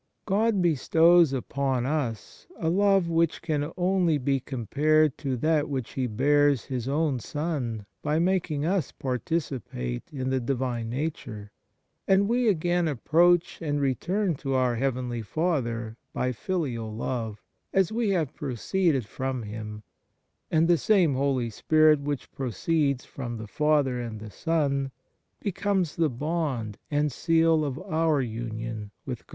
God bestows upon us a love which can only be compared to that which He bears His own Son by making us participate in the Divine Nature, and we again approach and return to our heavenly Father by filial love, as we haVe proceeded from Him, and the same Holy Spirit which proceeds from the Father and the Son becomes the bond and seal of our union with God.